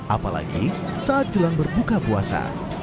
apalagi saat jelang berbuka puasa